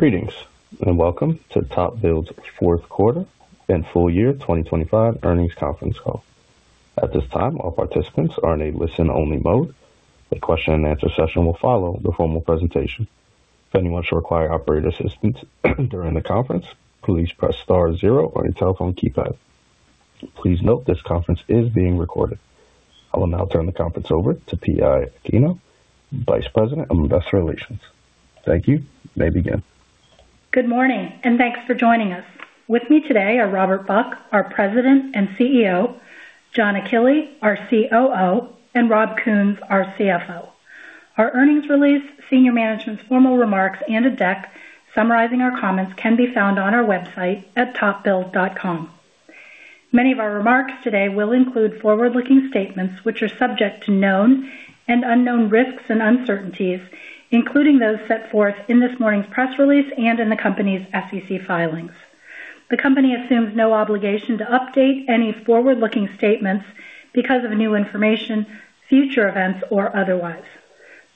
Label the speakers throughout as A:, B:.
A: Greetings, and welcome to TopBuild's fourth quarter and full year 2025 earnings conference call. At this time, all participants are in a listen-only mode. A question-and-answer session will follow the formal presentation. If anyone should require operator assistance during the conference, please press *0 on your telephone keypad. Please note, this conference is being recorded. I will now turn the conference over to P. I. Aquino, Vice President of Investor Relations. Thank you. You may begin.
B: Good morning, and thanks for joining us. With me today are Robert Buck, our President and CEO, John Achille, our COO, and Robert Kuhns, our CFO. Our earnings release, senior management's formal remarks, and a deck summarizing our comments can be found on our website at topbuild.com. Many of our remarks today will include forward-looking statements, which are subject to known and unknown risks and uncertainties, including those set forth in this morning's press release and in the company's SEC filings. The company assumes no obligation to update any forward-looking statements because of new information, future events, or otherwise.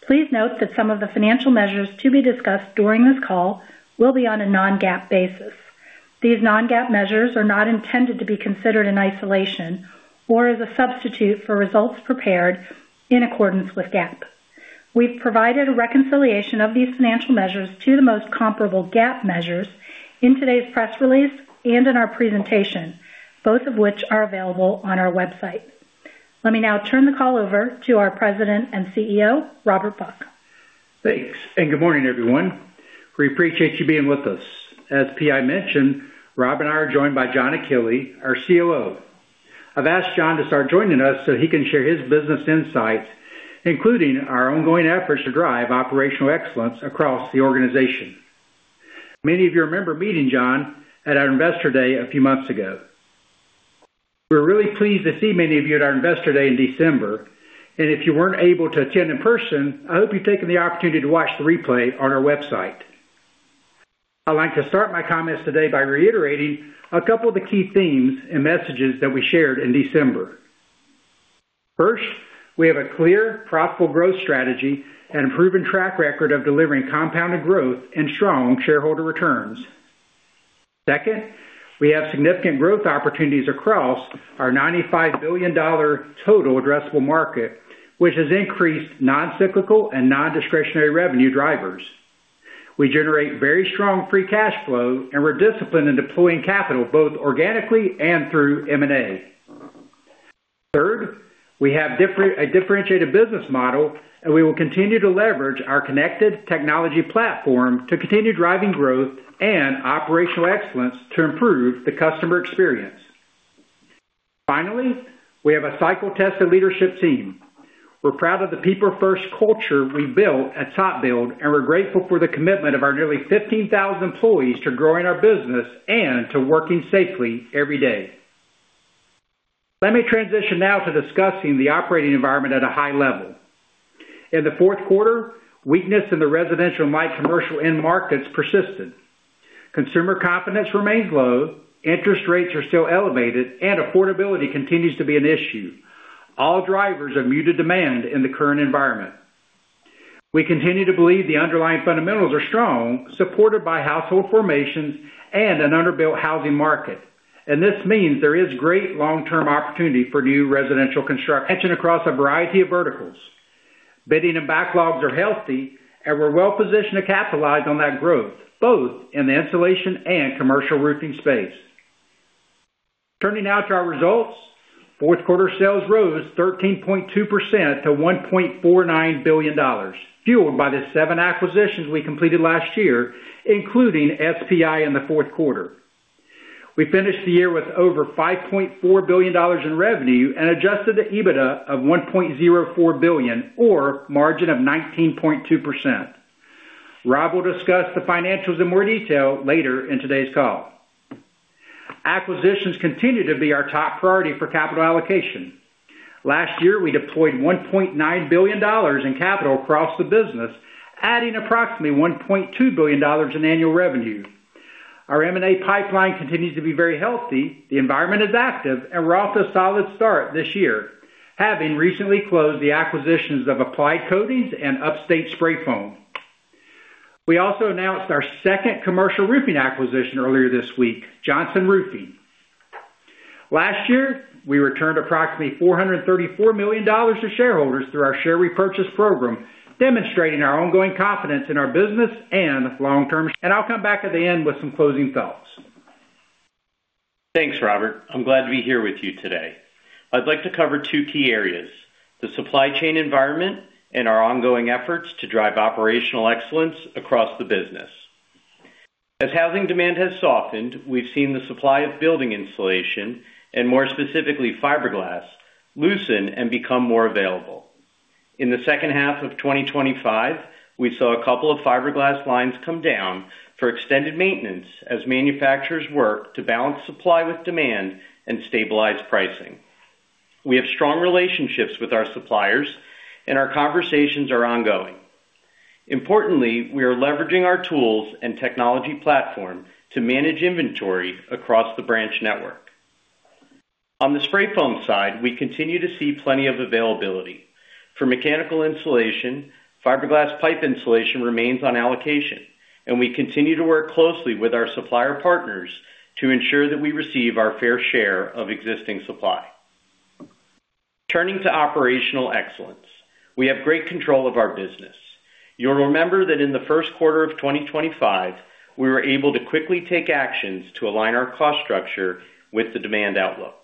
B: Please note that some of the financial measures to be discussed during this call will be on a non-GAAP basis. These non-GAAP measures are not intended to be considered in isolation or as a substitute for results prepared in accordance with GAAP. We've provided a reconciliation of these financial measures to the most comparable GAAP measures in today's press release and in our presentation, both of which are available on our website. Let me now turn the call over to our President and CEO, Robert Buck.
C: Thanks, good morning, everyone. We appreciate you being with us. As P.I. mentioned, Rob and I are joined by John Achille, our COO. I've asked John to start joining us, so he can share his business insights, including our ongoing efforts to drive operational excellence across the organization. Many of you remember meeting John at our Investor Day a few months ago. We're really pleased to see many of you at our Investor Day in December, and if you weren't able to attend in person, I hope you've taken the opportunity to watch the replay on our website. I'd like to start my comments today by reiterating a couple of the key themes and messages that we shared in December. First, we have a clear, profitable growth strategy and a proven track record of delivering compounded growth and strong shareholder returns. Second, we have significant growth opportunities across our $95 billion total addressable market, which has increased non-cyclical and non-discretionary revenue drivers. We generate very strong free cash flow, and we're disciplined in deploying capital, both organically and through M&A. Third, we have a differentiated business model, and we will continue to leverage our connected technology platform to continue driving growth and operational excellence to improve the customer experience. Finally, we have a cycle-tested leadership team. We're proud of the people-first culture we built at TopBuild, and we're grateful for the commitment of our nearly 15,000 employees to growing our business and to working safely every day. Let me transition now to discussing the operating environment at a high level. In the fourth quarter, weakness in the residential and light commercial end markets persisted. Consumer confidence remains low, interest rates are still elevated, and affordability continues to be an issue. All drivers of muted demand in the current environment. We continue to believe the underlying fundamentals are strong, supported by household formations and an underbuilt housing market, this means there is great long-term opportunity for new residential construction across a variety of verticals. Bidding and backlogs are healthy, we're well positioned to capitalize on that growth, both in the insulation and commercial roofing space. Turning now to our results. Fourth quarter sales rose 13.2% to $1.49 billion, fueled by the 7 acquisitions we completed last year, including SPI in the 4th quarter. We finished the year with over $5.4 billion in revenue and adjusted EBITDA of $1.04 billion or margin of 19.2%. Rob will discuss the financials in more detail later in today's call. Acquisitions continue to be our top priority for capital allocation. Last year, we deployed $1.9 billion in capital across the business, adding approximately $1.2 billion in annual revenue. Our M&A pipeline continues to be very healthy. The environment is active and we're off to a solid start this year, having recently closed the acquisitions of Applied Coatings and Upstate Spray Foam. We also announced our second commercial roofing acquisition earlier this week, Johnson Roofing. Last year, we returned approximately $434 million to shareholders through our share repurchase program, demonstrating our ongoing confidence in our business and long-term, and I'll come back at the end with some closing thoughts.
D: Thanks, Robert. I'm glad to be here with you today. I'd like to cover two key areas: the supply chain environment and our ongoing efforts to drive operational excellence across the business. As housing demand has softened, we've seen the supply of building insulation, and more specifically, fiberglass, loosen and become more available. In the second half of 2025, we saw a couple of fiberglass lines come down for extended maintenance as manufacturers work to balance supply with demand and stabilize pricing. We have strong relationships with our suppliers, and our conversations are ongoing. Importantly, we are leveraging our tools and technology platform to manage inventory across the branch network....On the spray foam side, we continue to see plenty of availability. For mechanical insulation, fiberglass pipe insulation remains on allocation, and we continue to work closely with our supplier partners to ensure that we receive our fair share of existing supply. Turning to operational excellence, we have great control of our business. You'll remember that in the first quarter of 2025, we were able to quickly take actions to align our cost structure with the demand outlook.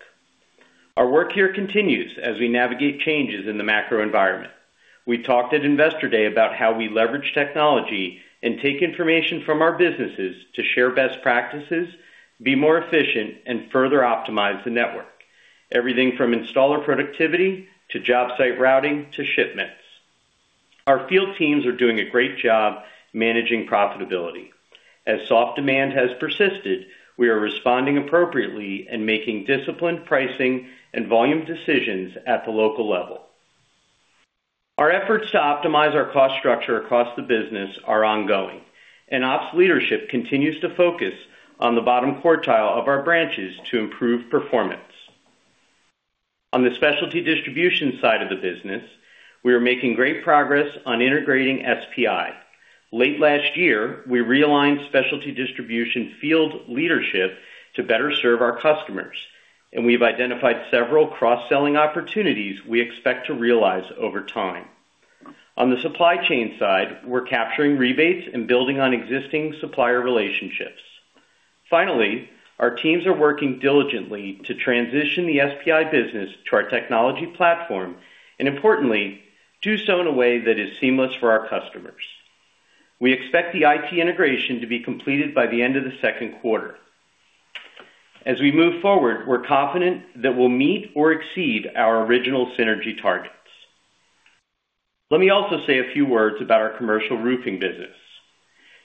D: Our work here continues as we navigate changes in the macro environment. We talked at Investor Day about how we leverage technology and take information from our businesses to share best practices, be more efficient, and further optimize the network. Everything from installer productivity, to job site routing, to shipments. Our field teams are doing a great job managing profitability. As soft demand has persisted, we are responding appropriately and making disciplined pricing and volume decisions at the local level. Our efforts to optimize our cost structure across the business are ongoing, and ops leadership continues to focus on the bottom quartile of our branches to improve performance. On the specialty distribution side of the business, we are making great progress on integrating SPI. Late last year, we realigned specialty distribution field leadership to better serve our customers, and we've identified several cross-selling opportunities we expect to realize over time. On the supply chain side, we're capturing rebates and building on existing supplier relationships. Finally, our teams are working diligently to transition the SPI business to our technology platform, and importantly, do so in a way that is seamless for our customers. We expect the IT integration to be completed by the end of the second quarter. As we move forward, we're confident that we'll meet or exceed our original synergy targets. Let me also say a few words about our commercial roofing business.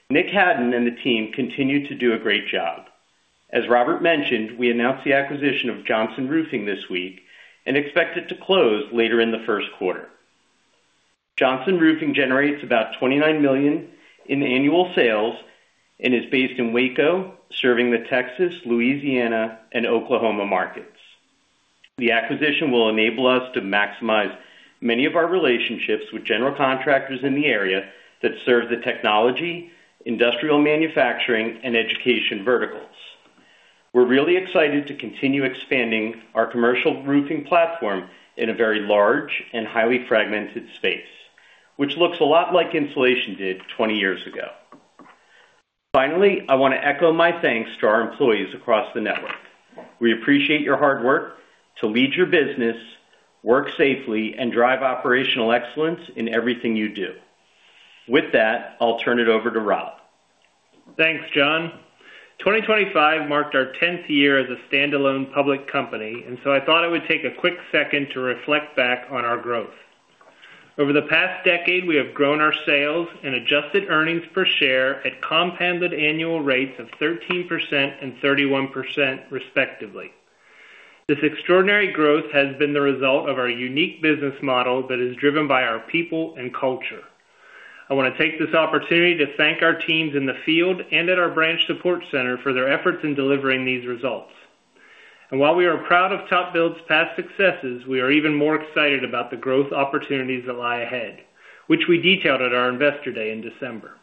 D: Nick Hadden and the team continue to do a great job. As Robert mentioned, we announced the acquisition of Johnson Roofing this week and expect it to close later in the first quarter. Johnson Roofing generates about $29 million in annual sales and is based in Waco, serving the Texas, Louisiana, and Oklahoma markets. The acquisition will enable us to maximize many of our relationships with general contractors in the area that serve the technology, industrial manufacturing, and education verticals. We're really excited to continue expanding our commercial roofing platform in a very large and highly fragmented space, which looks a lot like insulation did 20 years ago. Finally, I wanna echo my thanks to our employees across the network. We appreciate your hard work to lead your business, work safely, and drive operational excellence in everything you do. With that, I'll turn it over to Rob.
E: Thanks, John. 2025 marked our 10th year as a standalone public company, I thought I would take a quick second to reflect back on our growth. Over the past decade, we have grown our sales and adjusted earnings per share at compounded annual rates of 13% and 31%, respectively. This extraordinary growth has been the result of our unique business model that is driven by our people and culture. I wanna take this opportunity to thank our teams in the field and at our Branch Support Center for their efforts in delivering these results. While we are proud of TopBuild's past successes, we are even more excited about the growth opportunities that lie ahead, which we detailed at our Investor Day in December.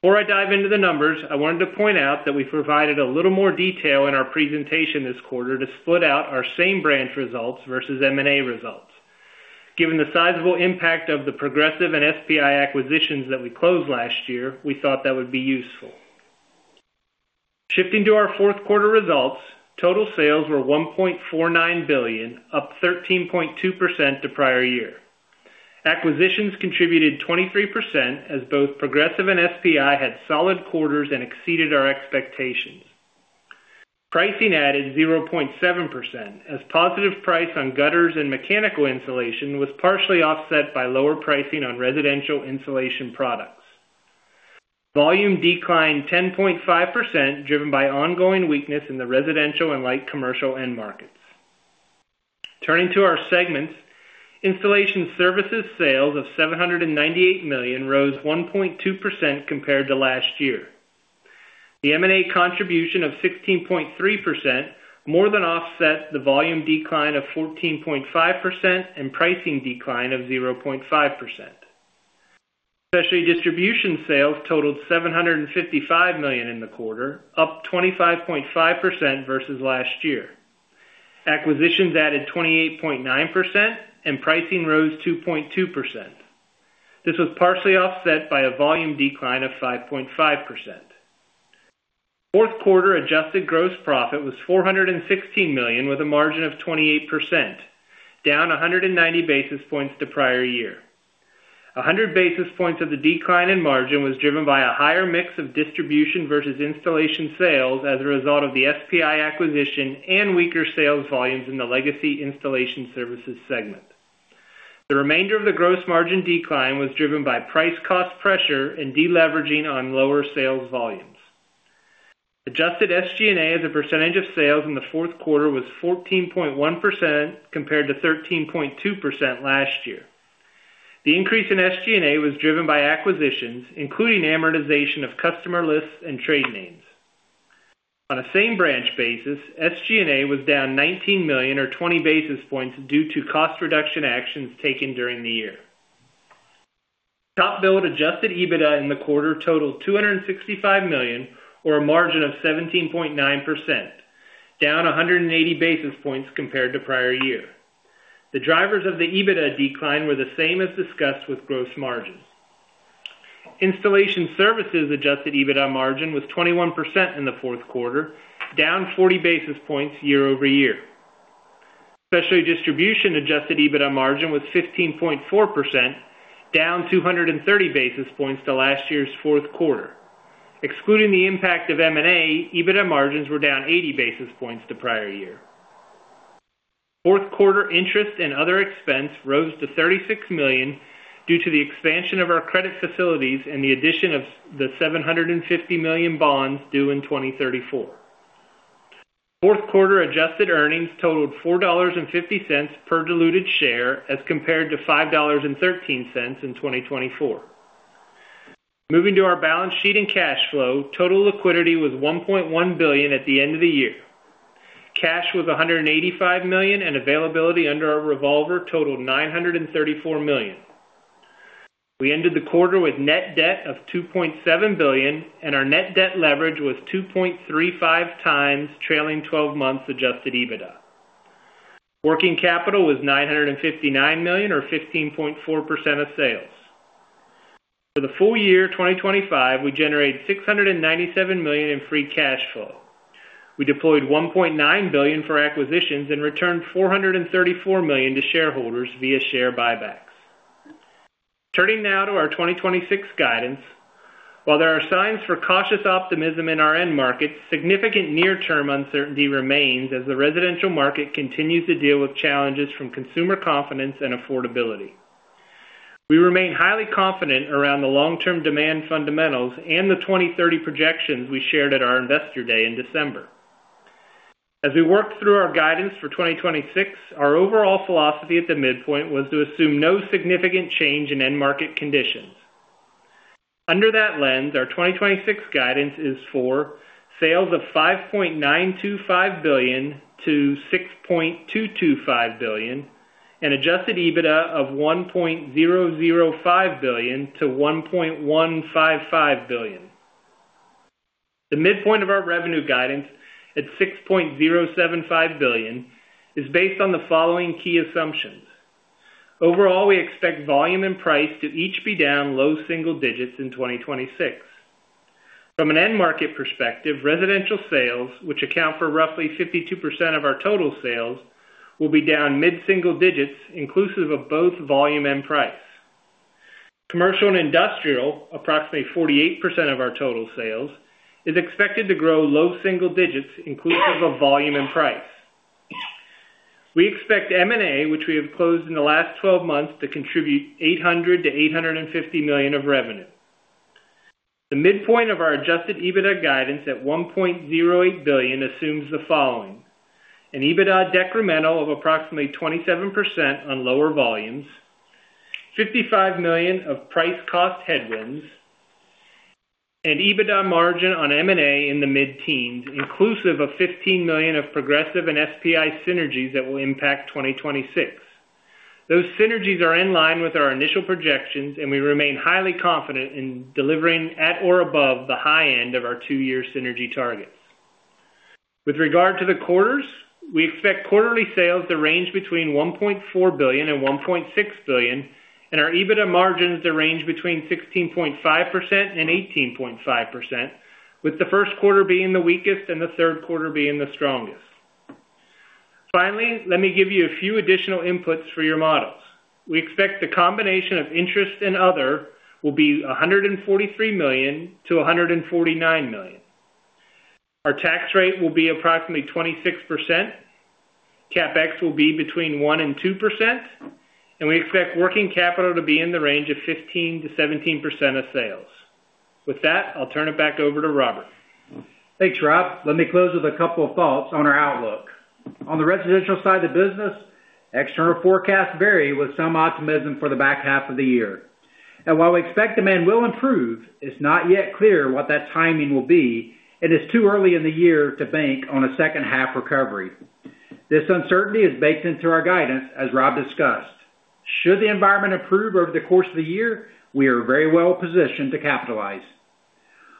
E: Before I dive into the numbers, I wanted to point out that we provided a little more detail in our presentation this quarter to split out our same branch results versus M&A results. Given the sizable impact of the Progressive and SPI acquisitions that we closed last year, we thought that would be useful. Shifting to our fourth quarter results, total sales were $1.49 billion, up 13.2% to prior year. Acquisitions contributed 23%, as both Progressive and SPI had solid quarters and exceeded our expectations. Pricing added 0.7%, as positive price on gutters and mechanical insulation was partially offset by lower pricing on residential insulation products. Volume declined 10.5%, driven by ongoing weakness in the residential and light commercial end markets. Turning to our segments, Installation Services sales of $798 million rose 1.2% compared to last year. The M&A contribution of 16.3% more than offset the volume decline of 14.5% and pricing decline of 0.5%. Specialty Distribution sales totaled $755 million in the quarter, up 25.5% versus last year. Acquisitions added 28.9% and pricing rose 2.2%. This was partially offset by a volume decline of 5.5%. Fourth quarter adjusted gross profit was $416 million, with a margin of 28%, down 190 basis points to prior year. 100 basis points of the decline in margin was driven by a higher mix of distribution versus Installation Services sales as a result of the SPI acquisition and weaker sales volumes in the legacy Installation Services segment. The remainder of the gross margin decline was driven by price cost pressure and deleveraging on lower sales volumes. Adjusted SG&A as a percentage of sales in the fourth quarter was 14.1%, compared to 13.2% last year. The increase in SG&A was driven by acquisitions, including amortization of customer lists and trade names. On a same branch basis, SG&A was down $19 million or 20 basis points due to cost reduction actions taken during the year. TopBuild adjusted EBITDA in the quarter totaled $265 million, or a margin of 17.9%, down 180 basis points compared to prior year. The drivers of the EBITDA decline were the same as discussed with gross margins. Installation Services adjusted EBITDA margin was 21% in the fourth quarter, down 40 basis points year-over-year. Specialty Distribution adjusted EBITDA margin was 15.4%, down 230 basis points to last year's fourth quarter. Excluding the impact of M&A, EBITDA margins were down 80 basis points to prior year. Fourth quarter interest and other expense rose to $36 million due to the expansion of our credit facilities and the addition of the $750 million bonds due in 2034. Fourth quarter adjusted earnings totaled $4.50 per diluted share, as compared to $5.13 in 2024. Moving to our balance sheet and cash flow, total liquidity was $1.1 billion at the end of the year. Cash was $185 million, and availability under our revolver totaled $934 million. We ended the quarter with net debt of $2.7 billion, and our net debt leverage was 2.35 times trailing twelve months adjusted EBITDA. Working capital was $959 million, or 15.4% of sales. For the full year 2025, we generated $697 million in free cash flow. We deployed $1.9 billion for acquisitions and returned $434 million to shareholders via share buybacks. Turning now to our 2026 guidance. While there are signs for cautious optimism in our end markets, significant near-term uncertainty remains as the residential market continues to deal with challenges from consumer confidence and affordability. We remain highly confident around the long-term demand fundamentals and the 2030 projections we shared at our Investor Day in December. As we work through our guidance for 2026, our overall philosophy at the midpoint was to assume no significant change in end market conditions. Under that lens, our 2026 guidance is for sales of $5.925 billion-$6.225 billion, and adjusted EBITDA of $1.005 billion-$1.155 billion. The midpoint of our revenue guidance at $6.075 billion, is based on the following key assumptions. Overall, we expect volume and price to each be down low single digits in 2026. From an end market perspective, residential sales, which account for roughly 52% of our total sales, will be down mid-single digits, inclusive of both volume and price. Commercial and industrial, approximately 48% of our total sales, is expected to grow low single digits inclusive of volume and price. We expect M&A, which we have closed in the last 12 months, to contribute $800 million-$850 million of revenue. The midpoint of our adjusted EBITDA guidance at $1.08 billion assumes the following: an EBITDA decremental of approximately 27% on lower volumes, $55 million of price cost headwinds, and EBITDA margin on M&A in the mid-teens, inclusive of $15 million of Progressive and SPI synergies that will impact 2026. Those synergies are in line with our initial projections, and we remain highly confident in delivering at or above the high end of our two-year synergy targets. With regard to the quarters, we expect quarterly sales to range between $1.4 billion and $1.6 billion, and our EBITDA margins to range between 16.5% and 18.5%, with the first quarter being the weakest and the third quarter being the strongest. Finally, let me give you a few additional inputs for your models. We expect the combination of interest and other will be $143 million-$149 million. Our tax rate will be approximately 26%. CapEx will be between 1% and 2%, and we expect working capital to be in the range of 15%-17% of sales. With that, I'll turn it back over to Robert.
C: Thanks, Rob. Let me close with a couple of thoughts on our outlook. On the residential side of the business, external forecasts vary with some optimism for the back half of the year. While we expect demand will improve, it's not yet clear what that timing will be. It is too early in the year to bank on a second-half recovery. This uncertainty is baked into our guidance, as Rob discussed. Should the environment improve over the course of the year, we are very well positioned to capitalize.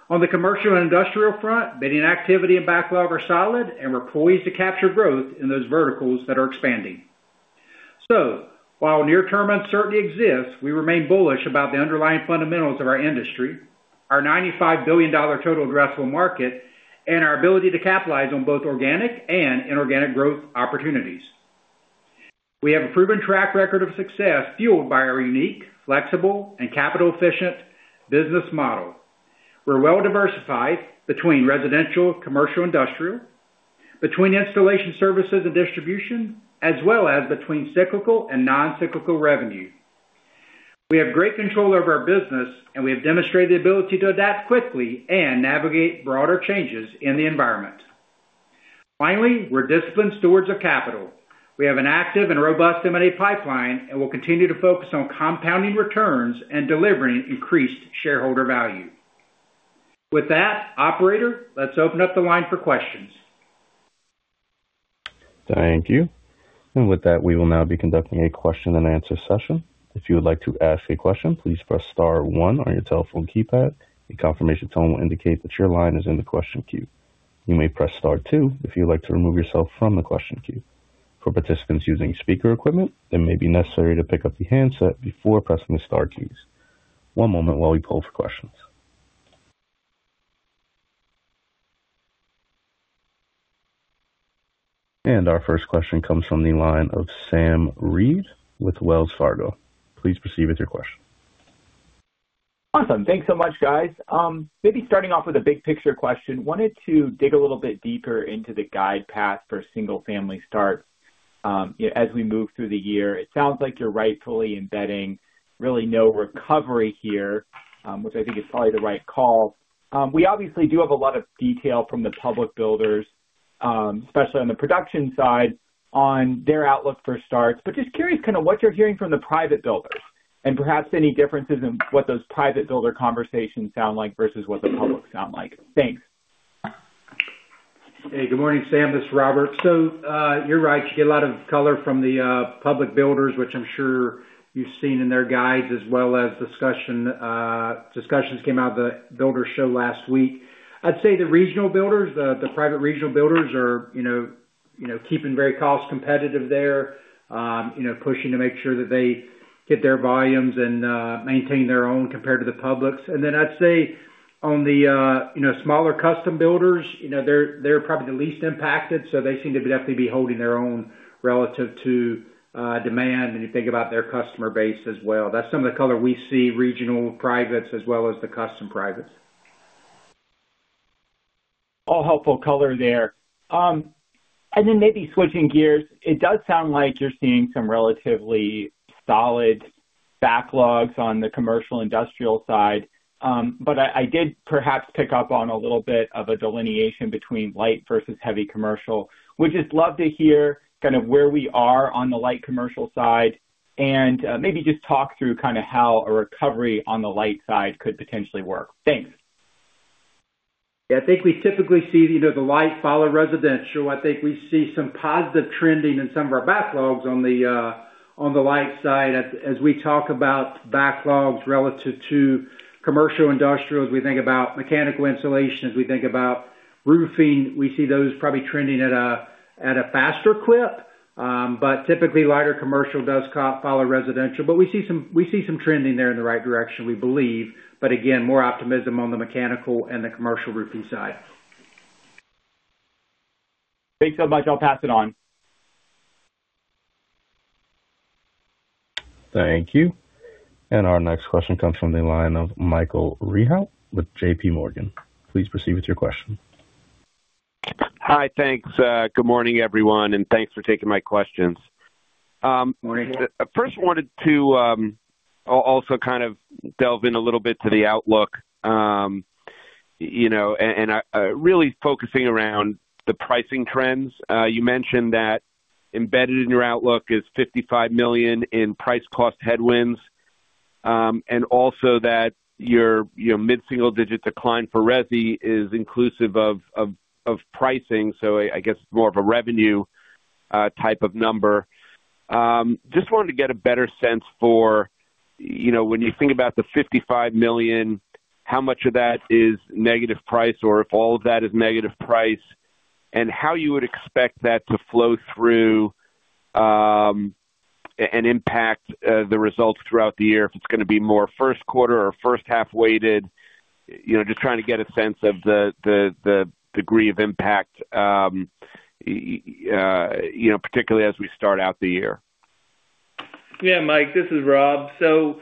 C: On the commercial and industrial front, bidding activity and backlog are solid. We're poised to capture growth in those verticals that are expanding. While near-term uncertainty exists, we remain bullish about the underlying fundamentals of our industry, our $95 billion total addressable market, and our ability to capitalize on both organic and inorganic growth opportunities. We have a proven track record of success, fueled by our unique, flexible, and capital-efficient business model. We're well diversified between residential, commercial, industrial, between Installation Services and Distribution, as well as between cyclical and non-cyclical revenue. We have great control over our business, and we have demonstrated the ability to adapt quickly and navigate broader changes in the environment. Finally, we're disciplined stewards of capital. We have an active and robust M&A pipeline, and we'll continue to focus on compounding returns and delivering increased shareholder value. With that, operator, let's open up the line for questions.
A: Thank you. With that, we will now be conducting a question and answer session. If you would like to ask a question, please press star one on your telephone keypad. A confirmation tone will indicate that your line is in the question queue. You may press star two if you'd like to remove yourself from the question queue. For participants using speaker equipment, it may be necessary to pick up the handset before pressing the star keys. One moment while we pull for questions. Our first question comes from the line of Sam Reid with Wells Fargo. Please proceed with your question.
F: Awesome. Thanks so much, guys. Maybe starting off with a big picture question, wanted to dig a little bit deeper into the guide path for single-family start, as we move through the year. It sounds like you're rightfully embedding really no recovery here, which I think is probably the right call. We obviously do have a lot of detail from the public builders, especially on the production side, on their outlook for starts. Just curious kind of what you're hearing from the private builders and perhaps any differences in what those private builder conversations sound like versus what the public sound like? Thanks.
C: Good morning, Sam. This is Robert. You're right, you get a lot of color from the public builders, which I'm sure you've seen in their guides, as well as discussions came out of the builder show last week. I'd say the regional builders, the private regional builders are, you know, keeping very cost competitive there, you know, pushing to make sure that they hit their volumes and maintain their own compared to the publics. I'd say on the, you know, smaller custom builders, you know, they're probably the least impacted, so they seem to be definitely be holding their own relative to demand, when you think about their customer base as well. That's some of the color we see, regional privates as well as the custom privates.
F: All helpful color there. Then maybe switching gears, it does sound like you're seeing some relatively solid backlogs on the commercial industrial side. I did perhaps pick up on a little bit of a delineation between light versus heavy commercial. Would just love to hear kind of where we are on the light commercial side and maybe just talk through kind of how a recovery on the light side could potentially work. Thanks.
C: Yeah, I think we typically see, you know, the light follow residential. I think we see some positive trending in some of our backlogs on the light side. As we talk about backlogs relative to commercial, industrial, as we think about mechanical installations, we think about roofing, we see those probably trending at a faster clip. Typically, lighter commercial does follow residential. We see some trending there in the right direction, we believe. Again, more optimism on the mechanical and the commercial roofing side.
F: Thanks so much. I'll pass it on.
A: Thank you. Our next question comes from the line of Michael Rehaut with JPMorgan. Please proceed with your question.
G: Hi, thanks. Good morning, everyone, thanks for taking my questions.
C: Morning.
G: First, wanted to also kind of delve in a little bit to the outlook, you know, and really focusing around the pricing trends. You mentioned that embedded in your outlook is $55 million in price cost headwinds, and also that your mid-single digit decline for resi is inclusive of pricing, so I guess more of a revenue type of number. Just wanted to get a better sense for, you know, when you think about the $55 million, how much of that is negative price, or if all of that is negative price, and how you would expect that to flow through and impact the results throughout the year, if it's gonna be more first quarter or first half weighted. You know, just trying to get a sense of the degree of impact, you know, particularly as we start out the year.
E: Mike, this is Rob. You know,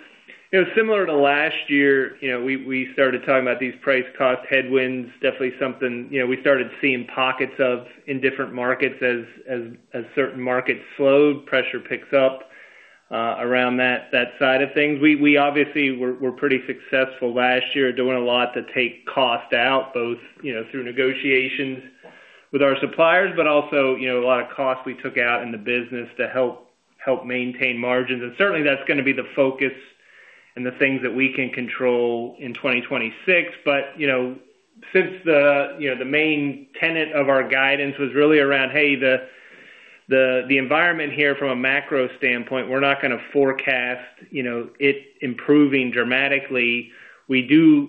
E: similar to last year, you know, we started talking about these price cost headwinds. Definitely something, you know, we started seeing pockets of in different markets as certain markets slowed, pressure picks up around that side of things. We obviously were pretty successful last year, doing a lot to take cost out, both, you know, through negotiations with our suppliers, but also, you know, a lot of costs we took out in the business to help maintain margins. Certainly, that's gonna be the focus and the things that we can control in 2026. You know, since the, you know, the main tenet of our guidance was really around, hey, the environment here from a macro standpoint, we're not gonna forecast, you know, it improving dramatically. We do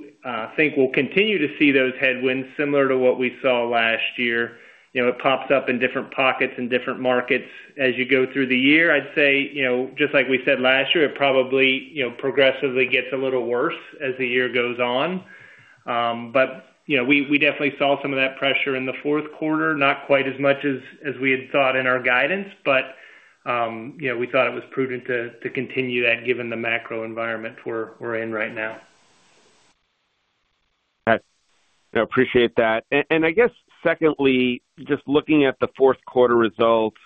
E: think we'll continue to see those headwinds, similar to what we saw last year. You know, it pops up in different pockets and different markets. As you go through the year, I'd say, you know, just like we said last year, it probably, you know, progressively gets a little worse as the year goes on. You know, we definitely saw some of that pressure in the fourth quarter. Not quite as much as we had thought in our guidance, but, you know, we thought it was prudent to continue that given the macro environment we're in right now.
G: Got it. I appreciate that. I guess secondly, just looking at the fourth quarter results.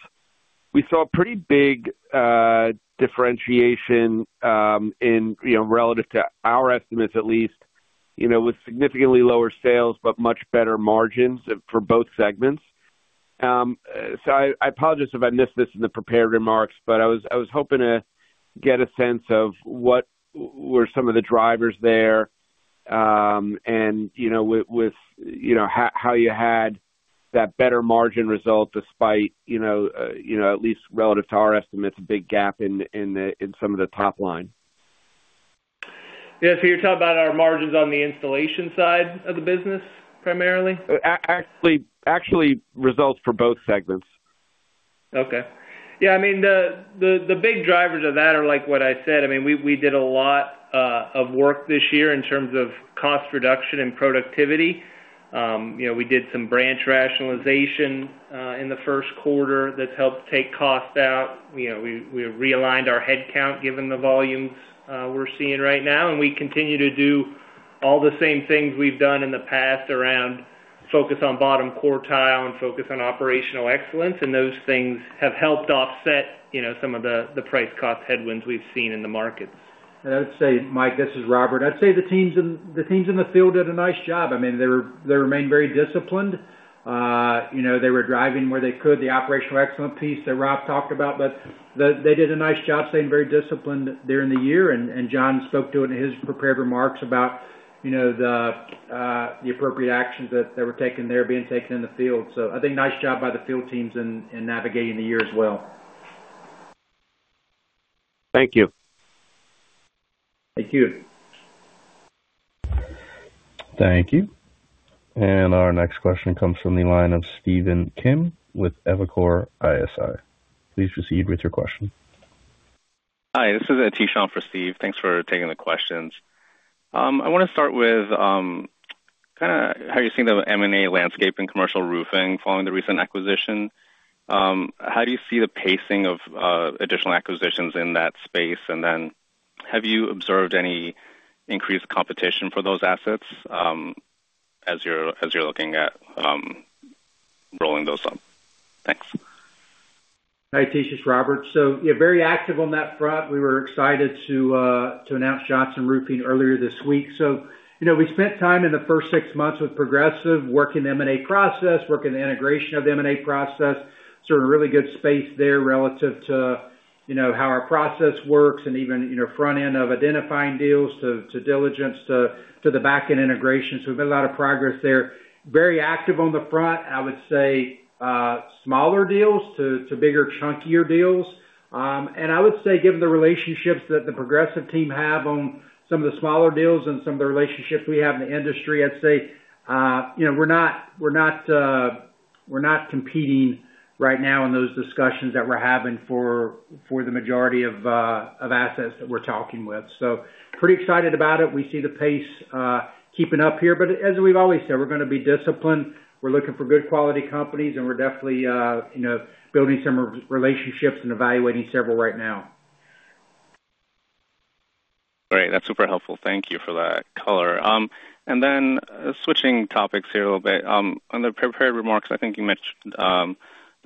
G: We saw a pretty big differentiation in, you know, relative to our estimates at least, you know, with significantly lower sales, but much better margins for both segments. So I apologize if I missed this in the prepared remarks, but I was hoping to get a sense of what were some of the drivers there, and, you know, with, you know, how you had that better margin result despite, you know, at least relative to our estimates, a big gap in some of the top line.
E: Yeah. You're talking about our margins on the installation side of the business, primarily?
G: actually, results for both segments.
E: Okay. Yeah, I mean, the big drivers of that are like what I said. I mean, we did a lot of work this year in terms of cost reduction and productivity. You know, we did some branch rationalization in the first quarter that's helped take costs out. You know, we realigned our headcount, given the volumes we're seeing right now. We continue to do all the same things we've done in the past around focus on bottom quartile and focus on operational excellence. Those things have helped offset, you know, some of the price cost headwinds we've seen in the markets.
C: I would say, Mike, this is Robert. I'd say the teams in the field did a nice job. I mean, they remained very disciplined. you know, they were driving where they could, the operational excellence piece that Rob talked about. They did a nice job staying very disciplined during the year, and John spoke to it in his prepared remarks about, you know, the appropriate actions that were taken there being taken in the field. I think nice job by the field teams in navigating the year as well.
G: Thank you.
C: Thank you.
A: Thank you. Our next question comes from the line of Stephen Kim with Evercore ISI. Please proceed with your question.
H: Hi, this is Aatish for Steve. Thanks for taking the questions. I wanna start with kinda how you see the M&A landscape in commercial roofing following the recent acquisition. How do you see the pacing of additional acquisitions in that space? Have you observed any increased competition for those assets, as you're looking at rolling those up? Thanks.
C: Hi, Aatish, it's Robert. Yeah, very active on that front. We were excited to announce Johnson Roofing earlier this week. You know, we spent time in the first 6 months with Progressive, working the M&A process, working the integration of the M&A process, in a really good space there relative to, you know, how our process works and even, you know, front end of identifying deals to diligence, to the back-end integration. We've made a lot of progress there. Very active on the front, I would say, smaller deals to bigger, chunkier deals. I would say, given the relationships that the Progressive team have on some of the smaller deals and some of the relationships we have in the industry, I'd say, we're not competing right now in those discussions that we're having for the majority of assets that we're talking with. Pretty excited about it. We see the pace keeping up here, as we've always said, we're gonna be disciplined. We're looking for good quality companies, we're definitely building some re-relationships and evaluating several right now.
H: Great. That's super helpful. Thank you for that color. Switching topics here a little bit. On the prepared remarks, I think you mentioned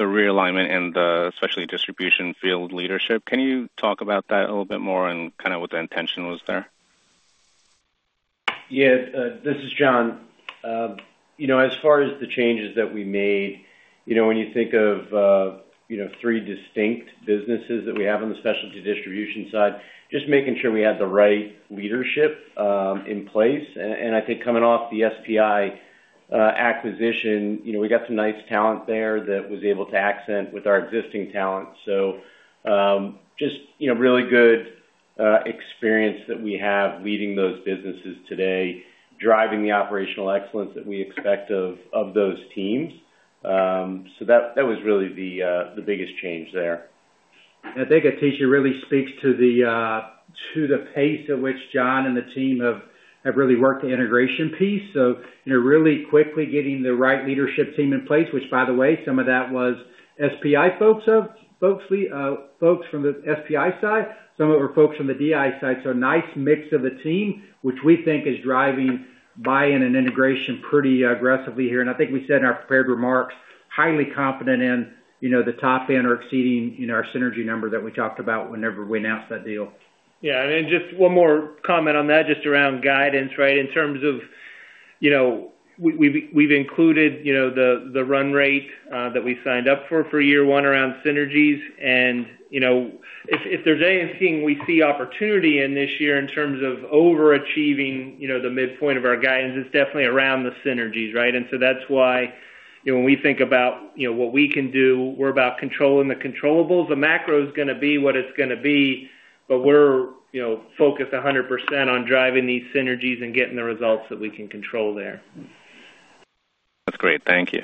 H: the realignment in the Specialty Distribution field leadership. Can you talk about that a little bit more and kinda what the intention was there?
D: Yeah. This is John. You know, as far as the changes that we made, you know, when you think of, you know, three distinct businesses that we have on the Specialty Distribution side, just making sure we had the right leadership in place. I think coming off the SPI acquisition, you know, we got some nice talent there that was able to accent with our existing talent. Just, you know, really good experience that we have leading those businesses today, driving the operational excellence that we expect of those teams. That was really the biggest change there.
C: I think, Aatish, it really speaks to the pace at which John and the team have really worked the integration piece. You know, really quickly getting the right leadership team in place, which, by the way, some of that was SPI folks from the SPI side, some of our folks from the DI side. A nice mix of the team, which we think is driving buy-in and integration pretty aggressively here. I think we said in our prepared remarks, highly confident in, you know, the top end or exceeding, you know, our synergy number that we talked about whenever we announced that deal.
E: Yeah, then just one more comment on that, just around guidance, right? In terms of, you know, we've included, you know, the run rate that we signed up for year 1 around synergies. You know, if there's anything we see opportunity in this year in terms of overachieving, you know, the midpoint of our guidance, it's definitely around the synergies, right? That's why, you know, when we think about, you know, what we can do, we're about controlling the controllables. The macro is gonna be what it's gonna be, we're, you know, focused 100% on driving these synergies and getting the results that we can control there.
H: That's great. Thank you.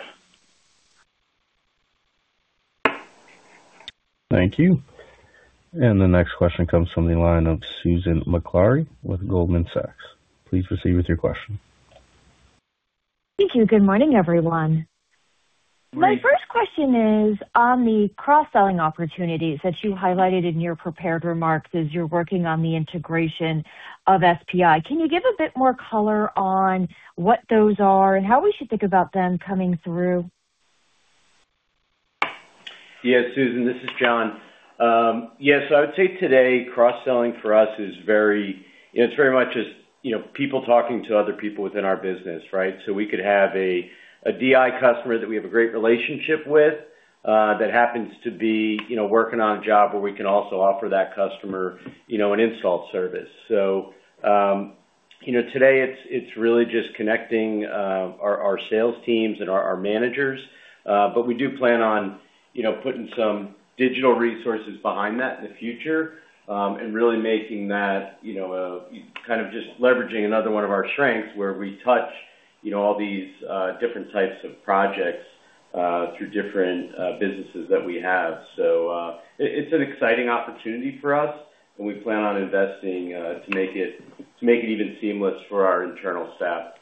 A: Thank you. The next question comes from the line of Susan Maklari with Goldman Sachs. Please proceed with your question.
I: Thank you. Good morning, everyone. My first question is on the cross-selling opportunities that you highlighted in your prepared remarks as you're working on the integration of SPI. Can you give a bit more color on what those are and how we should think about them coming through?
D: Susan, this is John. Yes, I would say today, cross-selling for us it's very much just, you know, people talking to other people within our business, right? We could have a DI customer that we have a great relationship with, that happens to be, you know, working on a job where we can also offer that customer, you know, an install service. You know, today it's really just connecting, our sales teams and our managers. We do plan on, you know, putting some digital resources behind that in the future, and really making that, you know, kind of just leveraging another one of our strengths, where we touch, you know, all these, different types of projects, through different, businesses that we have. it's an exciting opportunity for us, and we plan on investing to make it, to make it even seamless for our internal staff.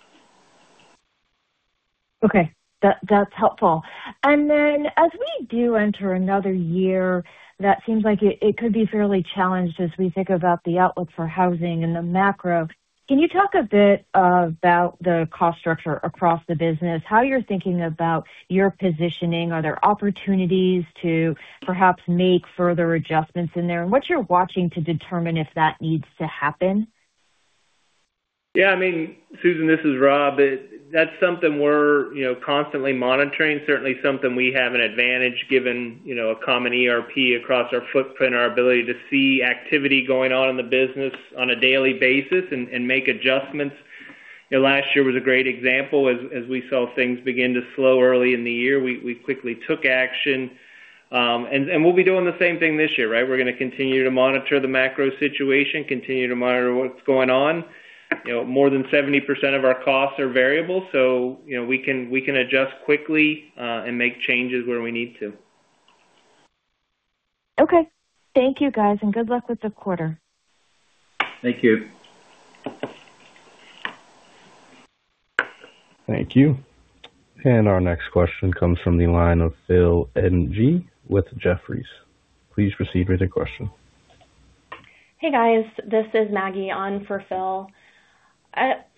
I: Okay. That's helpful. As we do enter another year, that seems like it could be fairly challenged as we think about the outlook for housing and the macro. Can you talk a bit about the cost structure across the business? How you're thinking about your positioning? Are there opportunities to perhaps make further adjustments in there, and what you're watching to determine if that needs to happen?
E: Yeah, I mean, Susan, this is Rob. That's something we're, you know, constantly monitoring. Certainly something we have an advantage, given, you know, a common ERP across our footprint, our ability to see activity going on in the business on a daily basis and make adjustments. You know, last year was a great example as we saw things begin to slow early in the year, we quickly took action. We'll be doing the same thing this year, right? We're gonna continue to monitor the macro situation, continue to monitor what's going on. You know, more than 70% of our costs are variable, you know, we can adjust quickly and make changes where we need to.
I: Okay. Thank you, guys, and good luck with the quarter.
E: Thank you.
A: Thank you. Our next question comes from the line of Philip Ng with Jefferies. Please proceed with your question.
J: Hey, guys, this is Maggie on for Phil.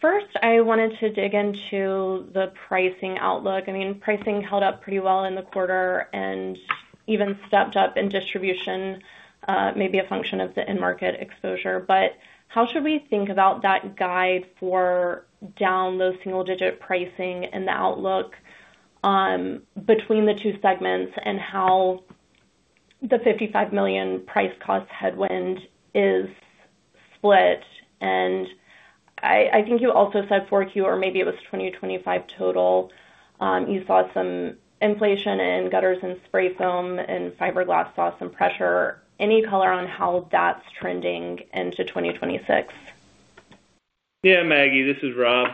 J: First, I wanted to dig into the pricing outlook. I mean, pricing held up pretty well in the quarter and even stepped up in distribution, maybe a function of the end market exposure. How should we think about that guide for down low single-digit pricing and the outlook between the two segments and how the $55 million price cost headwind is split? I think you also said 4Q, or maybe it was 20-25 total. You saw some inflation in gutters and spray foam, and fiberglass saw some pressure. Any color on how that's trending into 2026?
E: Yeah, Maggie, this is Rob.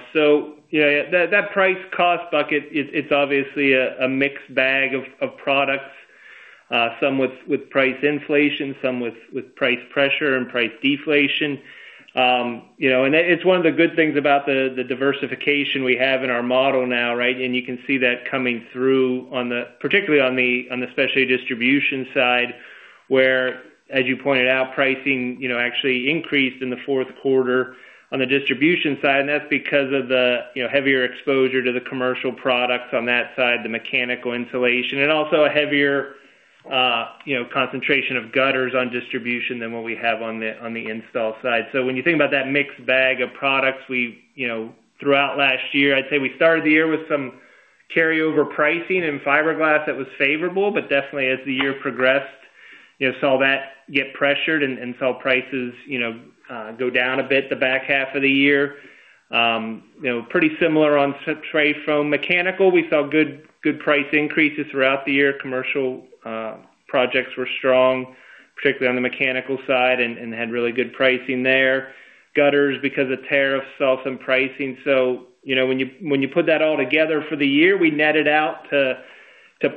E: Yeah, that price cost bucket, it's obviously a mixed bag of products, some with price inflation, some with price pressure and price deflation. You know, it's one of the good things about the diversification we have in our model now, right? You can see that coming through particularly on the Specialty Distribution side, where, as you pointed out, pricing, you know, actually increased in the fourth quarter on the Distribution side, and that's because of the, you know, heavier exposure to the commercial products on that side, the mechanical insulation, and also a heavier, you know, concentration of gutters on Distribution than what we have on the install side. When you think about that mixed bag of products, we've you know, throughout last year, I'd say we started the year with some carryover pricing and fiberglass that was favorable, but definitely as the year progressed, you know, saw that get pressured and saw prices, you know, go down a bit the back half of the year. you know, pretty similar on spray foam. mechanical, we saw good price increases throughout the year. Commercial, projects were strong, particularly on the mechanical side, and had really good pricing there. gutters, because of tariffs, saw some pricing. When you put that all together for the year, we netted out to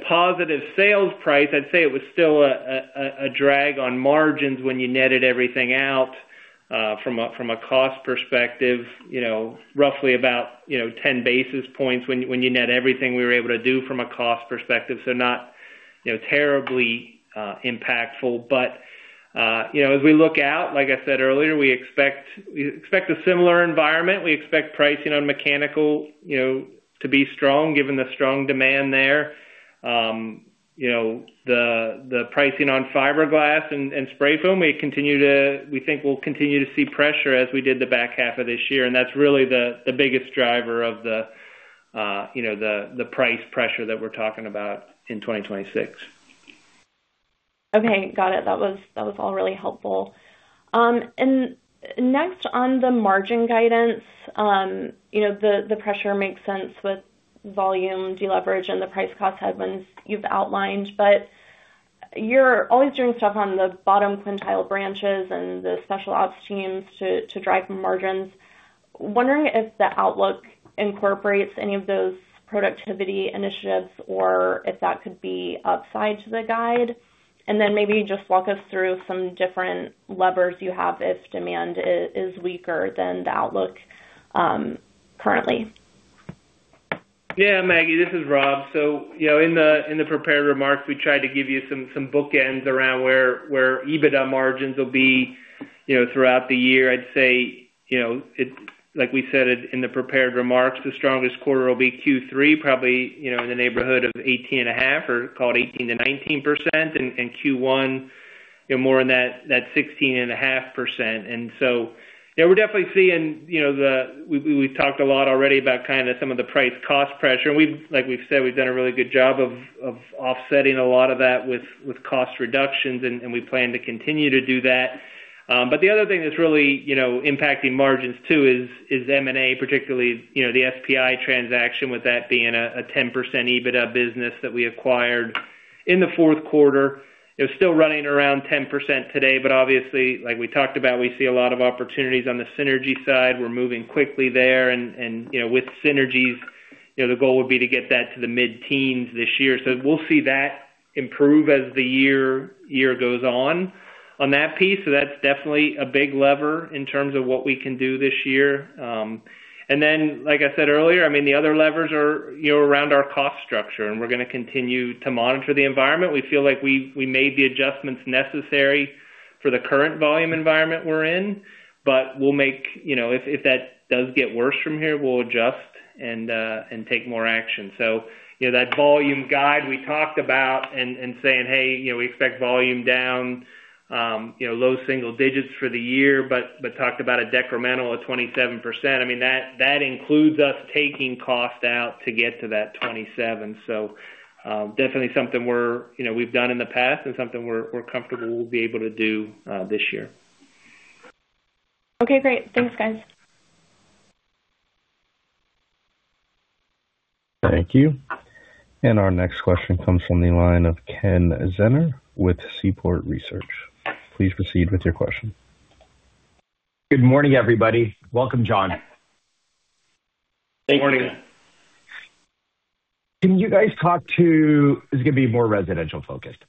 E: positive sales price. I'd say it was still a drag on margins when you netted everything out from a cost perspective, you know, roughly about 10 basis points when you net everything we were able to do from a cost perspective. Not, you know, terribly impactful. As we look out, like I said earlier, we expect a similar environment. We expect pricing on mechanical, you know, to be strong, given the strong demand there. you know, the pricing on fiberglass and spray foam, we think we'll continue to see pressure as we did the back half of this year, and that's really the biggest driver of the, you know, the price pressure that we're talking about in 2026.
J: Okay, got it. That was all really helpful. Next on the margin guidance, you know, the pressure makes sense with volume deleverage and the price cost headwinds you've outlined, but you're always doing stuff on the bottom quintile branches and the special ops teams to drive margins. Wondering if the outlook incorporates any of those productivity initiatives or if that could be upside to the guide? Then maybe just walk us through some different levers you have if demand is weaker than the outlook currently.
E: Yeah, Maggie, this is Rob. You know, in the, in the prepared remarks, we tried to give you some bookends around where EBITDA margins will be, you know, throughout the year. I'd say, you know, like we said in the prepared remarks, the strongest quarter will be Q3, probably, you know, in the neighborhood of 18.5% or call it 18%-19%. You know, more in that 16.5%. Yeah, we're definitely seeing, you know, we've talked a lot already about kind of some of the price cost pressure, and like we've said, we've done a really good job of offsetting a lot of that with cost reductions, and we plan to continue to do that. The other thing that's really, you know, impacting margins too is M&A, particularly, you know, the SPI transaction, with that being a 10% EBITDA business that we acquired in the fourth quarter. It's still running around 10% today, obviously, like we talked about, we see a lot of opportunities on the synergy side. We're moving quickly there, and, you know, with synergies, you know, the goal would be to get that to the mid-teens this year. We'll see that improve as the year goes on that piece. That's definitely a big lever in terms of what we can do this year. Then, like I said earlier, I mean, the other levers are, you know, around our cost structure, and we're gonna continue to monitor the environment. We feel like we made the adjustments necessary for the current volume environment we're in, but we'll make. You know, if that does get worse from here, we'll adjust and take more action. You know, that volume guide we talked about and saying, "Hey, you know, we expect volume down, you know, low single digits for the year," but talked about a decremental of 27%. I mean, that includes us taking cost out to get to that 27. Definitely something you know, we've done in the past and something we're comfortable we'll be able to do this year.
J: Okay, great. Thanks, guys.
A: Thank you. Our next question comes from the line of Kenneth Zener with Seaport Research. Please proceed with your question.
K: Good morning, everybody. Welcome, John.
E: Good morning.
K: Can you guys talk to This is gonna be more residential focused.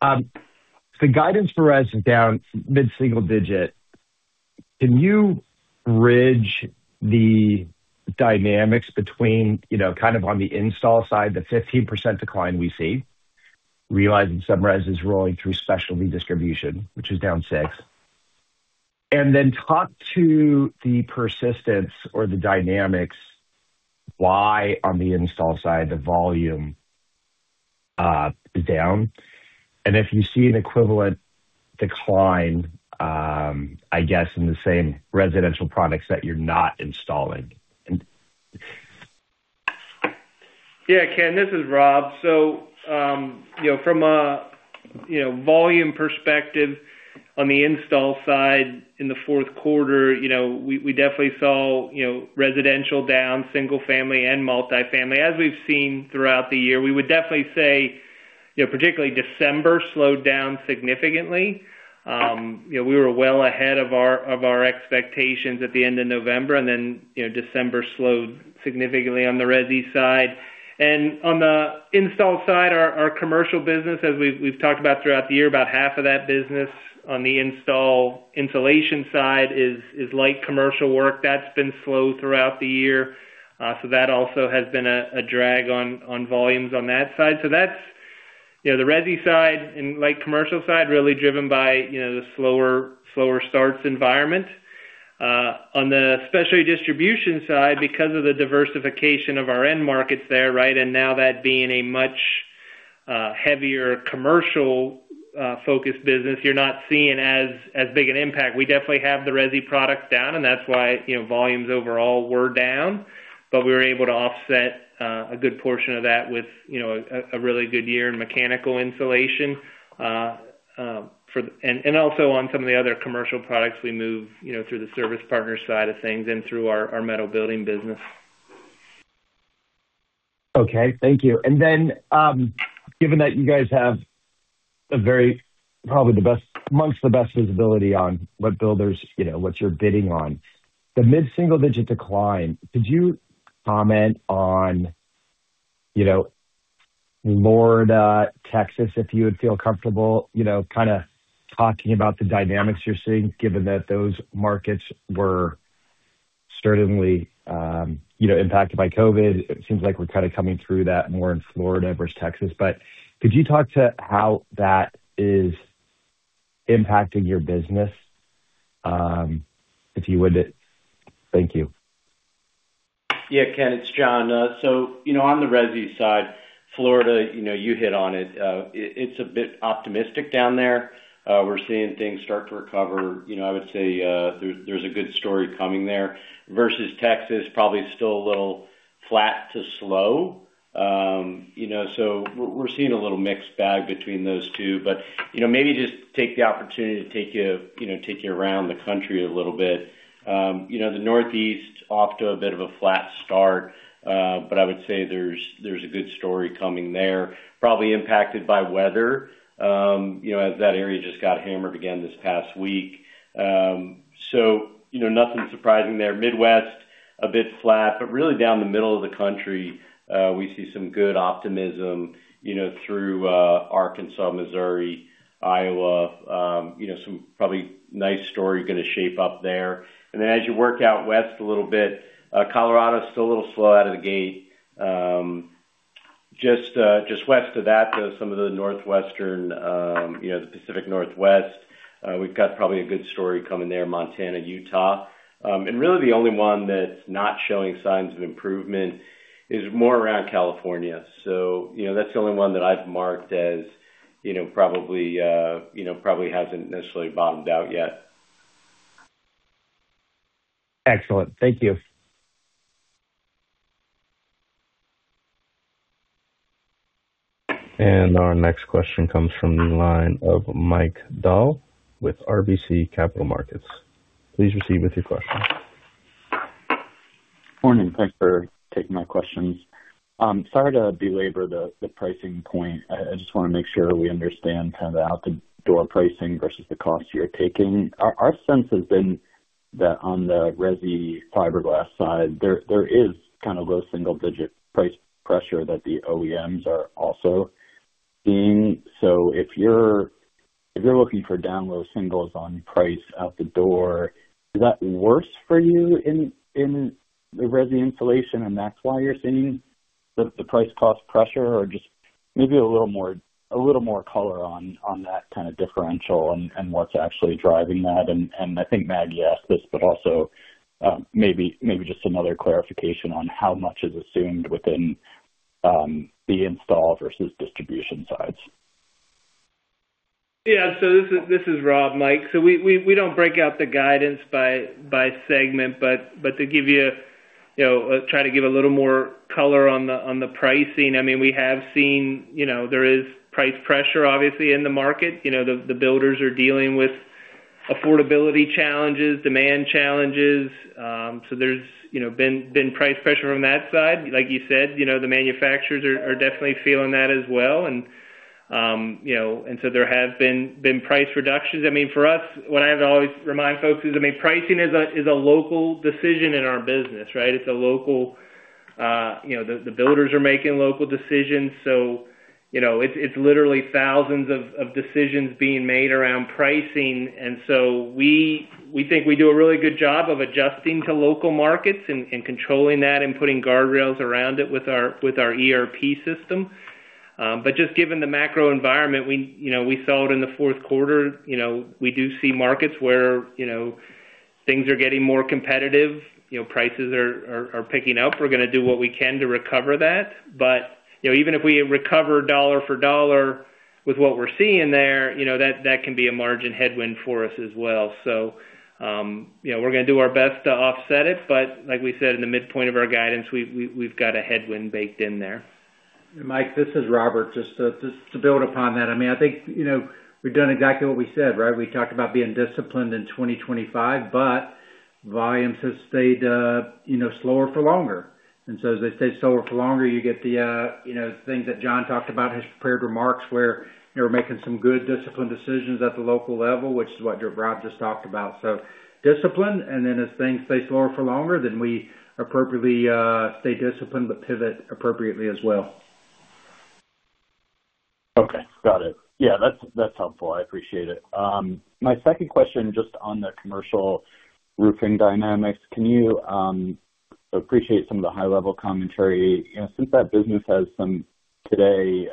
K: The guidance for res is down mid-single digit. Can you bridge the dynamics between, you know, kind of on the install side, the 15% decline we see, realizing some res is rolling through Specialty Distribution, which is down 6? Talk to the persistence or the dynamics, why on the install side, the volume is down, and if you see an equivalent decline, I guess, in the same residential products that you're not installing.
E: Ken, this is Rob. From a, you know, volume perspective on the install side in the fourth quarter, you know, we definitely saw, you know, residential down, single family and multifamily. As we've seen throughout the year, we would definitely say, you know, particularly December slowed down significantly. We were well ahead of our expectations at the end of November, and then, you know, December slowed significantly on the resi side. On the install side, our commercial business, as we've talked about throughout the year, about half of that business on the installation side is light commercial work. That's been slow throughout the year, so that also has been a drag on volumes on that side. That's, you know, the resi side and light commercial side, really driven by, you know, the slower starts environment. On the Specialty Distribution side, because of the diversification of our end markets there, right, and now that being a much, heavier commercial, focused business, you're not seeing as big an impact. We definitely have the resi products down, and that's why, you know, volumes overall were down. We were able to offset, a good portion of that with, you know, a really good year in mechanical insulation. And also on some of the other commercial products we move, you know, through the Service Partners side of things and through our metal building business.
K: Okay, thank you. Given that you guys have a very, probably the best, amongst the best visibility on what builders, you know, what you're bidding on, the mid-single-digit decline, could you comment on, you know, Florida, Texas, if you would feel comfortable, you know, kind of talking about the dynamics you're seeing given that those markets were certainly, you know, impacted by COVID? It seems like we're kind of coming through that more in Florida versus Texas. Could you talk to how that is impacting your business, if you would? Thank you.
D: Yeah, Ken, it's John. You know, on the resi side, Florida, you know, you hit on it. It's a bit optimistic down there. We're seeing things start to recover. You know, I would say, there's a good story coming there. Versus Texas, probably still a little flat to slow. You know, we're seeing a little mixed bag between those two. You know, maybe just take the opportunity to take you know, take you around the country a little bit. You know, the Northeast, off to a bit of a flat start, but I would say there's a good story coming there. Probably impacted by weather, you know, as that area just got hammered again this past week. You know, nothing surprising there. Midwest, a bit flat, but really down the middle of the country, we see some good optimism, you know, through Arkansas, Missouri, Iowa, you know, some probably nice story gonna shape up there. As you work out west a little bit, Colorado is still a little slow out of the gate. Just west of that, though, some of the northwestern, you know, the Pacific Northwest, we've got probably a good story coming there, Montana, Utah. Really the only one that's not showing signs of improvement is more around California. You know, that's the only one that I've marked as, you know, probably, you know, probably hasn't necessarily bottomed out yet.
K: Excellent. Thank you.
A: Our next question comes from the line of Mike Dahl with RBC Capital Markets. Please proceed with your question.
L: Morning, thanks for taking my questions. sorry to belabor the pricing point. I just wanna make sure we understand kind of the out-the-door pricing versus the cost you're taking. Our sense has been that on the resi fiberglass side, there is kind of low single-digit price pressure that the OEMs are also seeing. If you're looking for down low singles on price out the door, is that worse for you in the resi installation, and that's why you're seeing the price cost pressure? Just maybe a little more color on that kind of differential and what's actually driving that. I think Maggie asked this, but also, just another clarification on how much is assumed within the install versus distribution sides.
E: Yeah. This is Rob, Mike. We don't break out the guidance by segment, but to give you a, you know, try to give a little more color on the pricing, I mean, we have seen, you know, there is price pressure obviously in the market. You know, the builders are dealing with affordability challenges, demand challenges, so there's, you know, been price pressure from that side. Like you said, you know, the manufacturers are definitely feeling that as well. You know, so there have been price reductions. I mean, for us, what I have to always remind folks is, I mean, pricing is a local decision in our business, right? It's a local, you know, the builders are making local decisions, so, you know, it's literally thousands of decisions being made around pricing. We, we think we do a really good job of adjusting to local markets and controlling that and putting guardrails around it with our, with our ERP system. Just given the macro environment, we, you know, we saw it in the fourth quarter, you know, we do see markets where, you know, things are getting more competitive, you know, prices are picking up. We're gonna do what we can to recover that. Even if we recover dollar for dollar with what we're seeing there, you know, that can be a margin headwind for us as well. You know, we're gonna do our best to offset it, but like we said, in the midpoint of our guidance, we've got a headwind baked in there.
C: Mike, this is Robert. Just to build upon that, I mean, I think, you know, we've done exactly what we said, right? We talked about being disciplined in 2025, but volumes have stayed, you know, slower for longer. As they stay slower for longer, you get the, you know, things that John talked about in his prepared remarks, where, you know, we're making some good, disciplined decisions at the local level, which is what Rob just talked about. Discipline, and then as things stay slower for longer, then we appropriately stay disciplined but pivot appropriately as well.
L: Okay, got it. That's, that's helpful. I appreciate it. My second question, just on the commercial roofing dynamics. I appreciate some of the high-level commentary. Since that business has some today,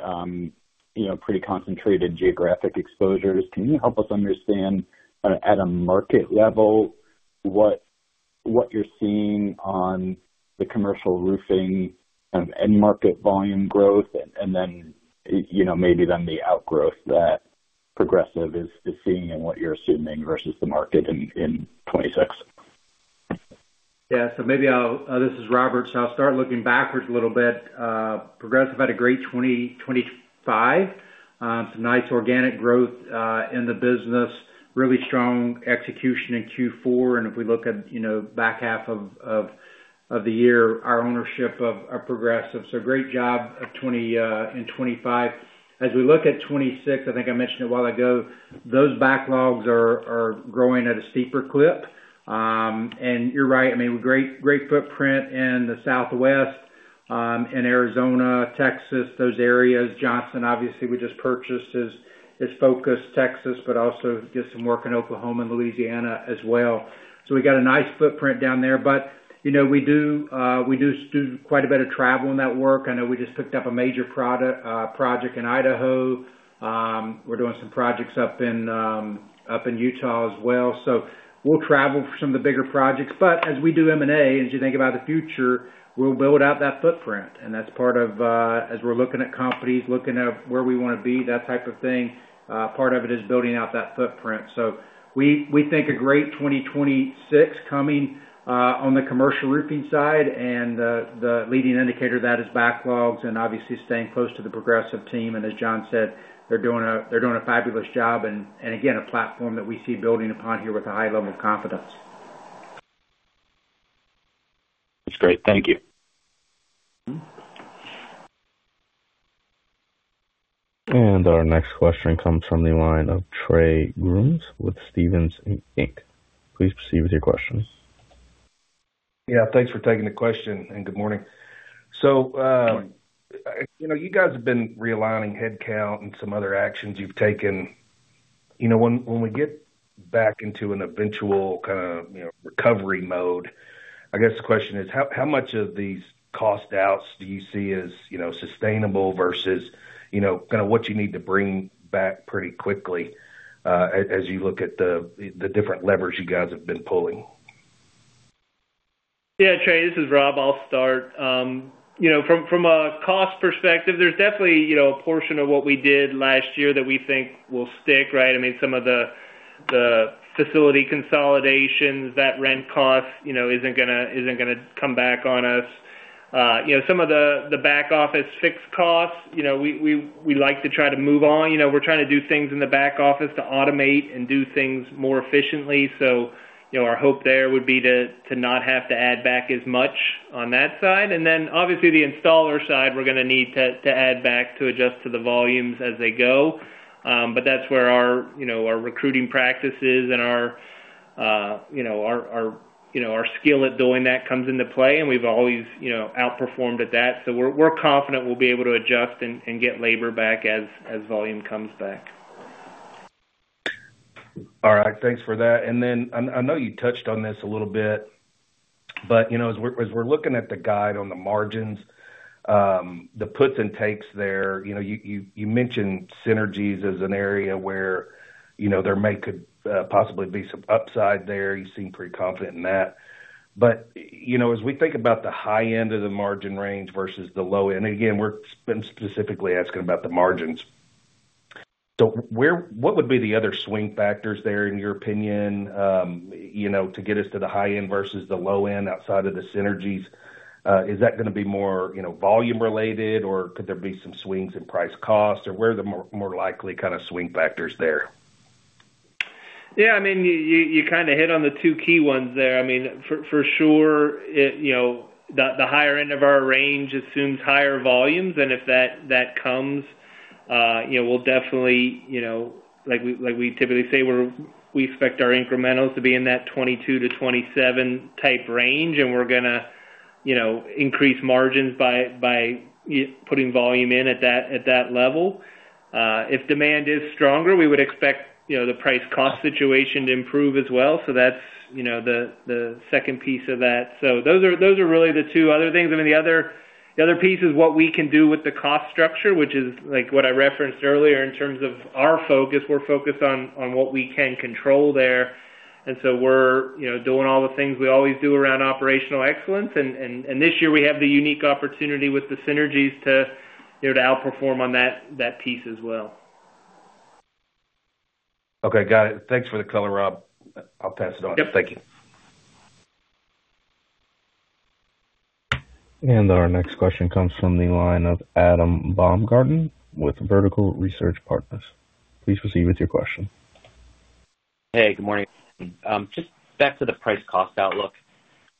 L: pretty concentrated geographic exposures, can you help us understand, at a market level, what you're seeing on the commercial roofing kind of end market volume growth and then, maybe then the outgrowth that Progressive is seeing and what you're assuming versus the market in 2026?
C: Yeah. Maybe I'll this is Robert, I'll start looking backwards a little bit. Progressive Roofing had a great 2025. Some nice organic growth in the business, really strong execution in Q4. If we look at, you know, back half of the year, our ownership of Progressive Roofing. Great job of 20 in 25. As we look at 2026, I think I mentioned a while ago, those backlogs are growing at a steeper clip. You're right, I mean, great footprint in the Southwest, in Arizona, Texas, those areas. Johnson Roofing, obviously, we just purchased is focused Texas, but also did some work in Oklahoma and Louisiana as well. We got a nice footprint down there. You know, we do quite a bit of travel in that work picked up a major project in Idaho. We're doing some projects up in Utah as well. We'll travel for some of the bigger projects, but as we do M&A, as you think about the future, we'll build out that footprint. That's part of, as we're looking at companies, looking at where we want to be, that type of thing, part of it is building out that footprint. We think a great 2026 coming on the commercial roofing side, and the leading indicator of that is backlogs and obviously staying close to the Progressive team. As John said, they're doing a fabulous job and again, a platform that we see building upon here with a high level of confidence
L: That's great. Thank you.
A: Our next question comes from the line of Trey Grooms with Stephens Inc. Please proceed with your questions.
M: Yeah, thanks for taking the question, and good morning.
A: Good morning.
M: You know, you guys have been realigning headcount and some other actions you've taken. You know, when.... back into an eventual kind of, you know, recovery mode. I guess the question is: How much of these cost outs do you see as, you know, sustainable versus, you know, kind of what you need to bring back pretty quickly, as you look at the different levers you guys have been pulling?
E: Yeah, Trey, this is Rob. I'll start. you know, from a cost perspective, there's definitely, you know, a portion of what we did last year that we think will stick, right? I mean, some of the facility consolidations, that rent cost, you know, isn't gonna, isn't gonna come back on us. you know, some of the back office fixed costs, you know, we like to try to move on. You know, we're trying to do things in the back office to automate and do things more efficiently. you know, our hope there would be to not have to add back as much on that side. Then, obviously, the installer side, we're gonna need to add back to adjust to the volumes as they go. That's where our, you know, our recruiting practices and our, you know, our skill at doing that comes into play, and we've always, you know, outperformed at that. We're, we're confident we'll be able to adjust and get labor back as volume comes back.
M: All right, thanks for that. I know you touched on this a little bit, but, you know, as we're looking at the guide on the margins, the puts and takes there, you know, you mentioned synergies as an area where, you know, there may could possibly be some upside there. You seem pretty confident in that. you know, as we think about the high end of the margin range versus the low end, again, we're specifically asking about the margins. what would be the other swing factors there, in your opinion, you know, to get us to the high end versus the low end, outside of the synergies? is that gonna be more, you know, volume related, or could there be some swings in price cost? Where are the more likely kind of swing factors there?
E: Yeah, I mean, you kind of hit on the two key ones there. I mean, for sure, it, you know, the higher end of our range assumes higher volumes, and if that comes, you know, we'll definitely, you know, like we typically say, we expect our incrementals to be in that 22%-27% type range, and we're gonna, you know, increase margins by putting volume in at that level. If demand is stronger, we would expect, you know, the price-cost situation to improve as well. That's, you know, the second piece of that. Those are really the two other things. I mean, the other piece is what we can do with the cost structure, which is like what I referenced earlier in terms of our focus. We're focused on what we can control there, and so we're, you know, doing all the things we always do around operational excellence. This year we have the unique opportunity with the synergies to, you know, to outperform on that piece as well.
M: Okay, got it. Thanks for the color, Rob. I'll pass it on.
E: Yep.
M: Thank you.
A: Our next question comes from the line of Adam Baumgarten with Vertical Research Partners. Please proceed with your question.
N: Hey, good morning. Just back to the price cost outlook.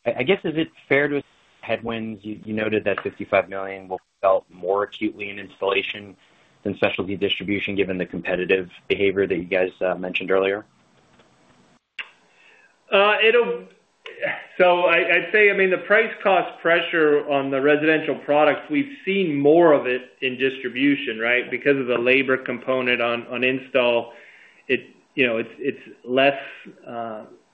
N: I guess, is it fair with headwinds, you noted that $55 million will felt more acutely in installation than specialty distribution, given the competitive behavior that you guys mentioned earlier?
E: I'd say, I mean, the price cost pressure on the residential products, we've seen more of it in distribution, right? Because of the labor component on install, it, you know, it's less,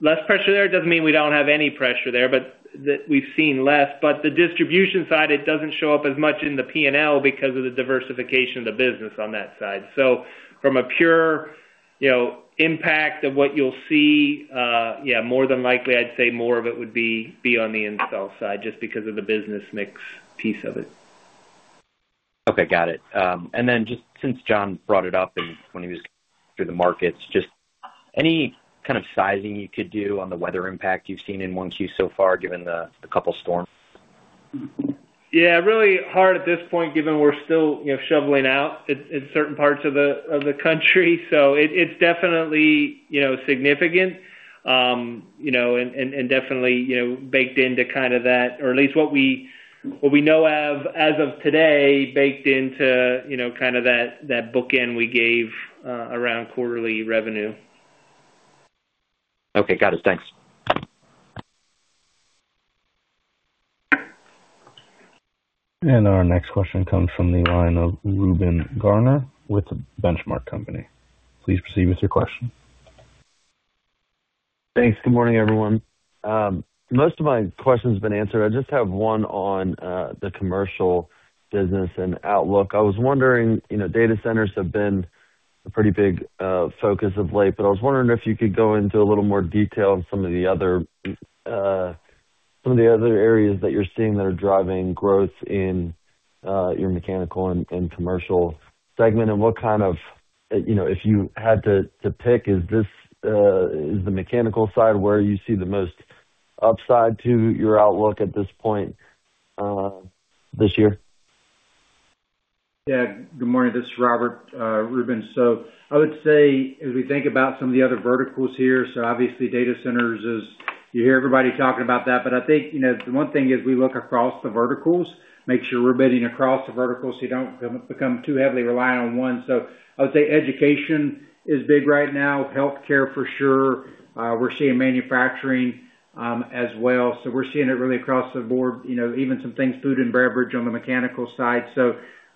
E: less pressure there. It doesn't mean we don't have any pressure there, but the. We've seen less. The distribution side, it doesn't show up as much in the PNL because of the diversification of the business on that side. From a pure, you know, impact of what you'll see, yeah, more than likely, I'd say more of it would be on the install side, just because of the business mix piece of it.
N: Okay, got it. Just since John brought it up and when he was through the markets, just any kind of sizing you could do on the weather impact you've seen in 1Q so far, given the couple storms?
E: Yeah, really hard at this point, given we're still, you know, shoveling out in certain parts of the country. It's definitely, you know, significant, you know, and definitely, you know, baked into kind of that, or at least what we know of as of today, baked into, you know, kind of that bookend we gave around quarterly revenue.
N: Okay, got it. Thanks.
A: Our next question comes from the line of Reuben Garner with The Benchmark Company. Please proceed with your question.
O: Thanks. Good morning, everyone. Most of my question's been answered. I just have one on the commercial business and outlook. I was wondering, you know, data centers have been a pretty big focus of late, but I was wondering if you could go into a little more detail on some of the other, some of the other areas that you're seeing that are driving growth in your mechanical and commercial segment. You know, if you had to pick, is this the mechanical side where you see the most upside to your outlook at this point this year?
C: Yeah. Good morning. This is Robert, Reuben. I would say, as we think about some of the other verticals here, obviously data centers is, you hear everybody talking about that. I think, you know, the one thing is we look across the verticals, make sure we're bidding across the verticals so you don't become too heavily reliant on one. I would say education is big right now, healthcare for sure. We're seeing manufacturing as well. We're seeing it really across the board, you know, even some things, food and beverage on the mechanical side.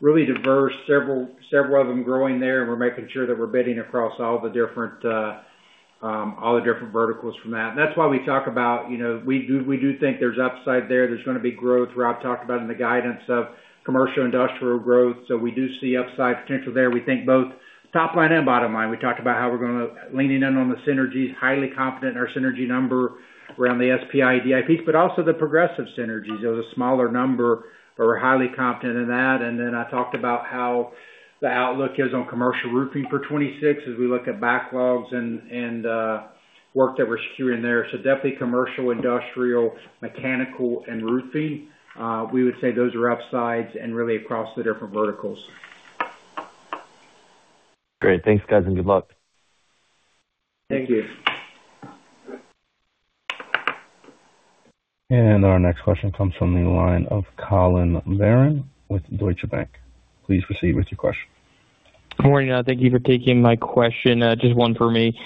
C: Really diverse. Several of them growing there, we're making sure that we're bidding across all the different verticals from that. That's why we talk about, you know, we do think there's upside there. There's gonna be growth, where I've talked about in the guidance of commercial industrial growth, we do see upside potential there. We think both top line and bottom line. We talked about how we're gonna leaning in on the synergies, highly confident in our synergy number around the SPI and DIs, also the Progressive synergies. It was a smaller number, we're highly confident in that. I talked about how the outlook is on commercial roofing for 26 as we look at backlogs and work that we're securing there. Definitely commercial, industrial, mechanical, and roofing. We would say those are upsides and really across the different verticals.
O: Great. Thanks, guys, good luck.
C: Thank you.
A: Our next question comes from the line of Collin Verron with Deutsche Bank. Please proceed with your question.
P: Good morning. Thank you for taking my question. just one for me.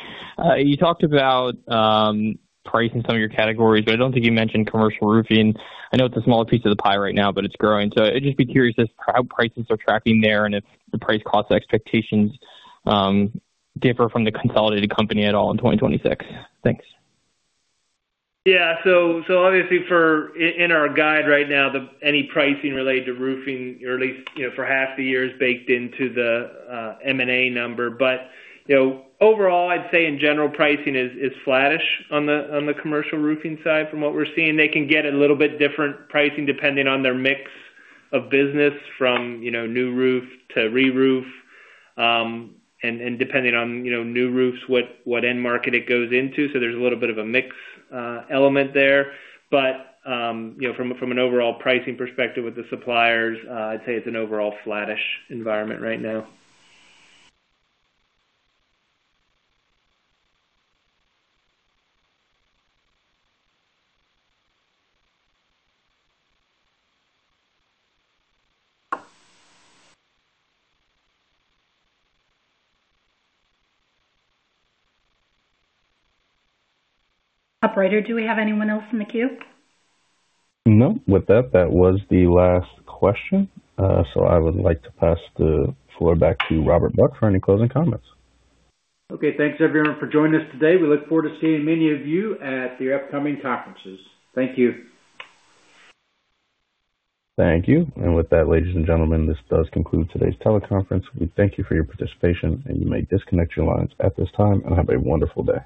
P: You talked about pricing some of your categories, but I don't think you mentioned commercial roofing. I know it's a smaller piece of the pie right now, but it's growing. I'd just be curious as how prices are tracking there and if the price cost expectations differ from the consolidated company at all in 2026? Thanks.
E: Obviously for in our guide right now, any pricing related to roofing, or at least, you know, for half the year, is baked into the M&A number. You know, overall, I'd say in general, pricing is flattish on the commercial roofing side. From what we're seeing, they can get a little bit different pricing depending on their mix of business from, you know, new roof to re-roof, and depending on, you know, new roofs, what end market it goes into. There's a little bit of a mix element there. You know, from an overall pricing perspective with the suppliers, I'd say it's an overall flattish environment right now.
B: Operator, do we have anyone else in the queue?
A: No. With that was the last question. I would like to pass the floor back to Robert Buck for any closing comments.
C: Okay, thanks, everyone, for joining us today. We look forward to seeing many of you at the upcoming conferences. Thank you.
A: Thank you. With that, ladies and gentlemen, this does conclude today's teleconference. We thank you for your participation, and you may disconnect your lines at this time, and have a wonderful day.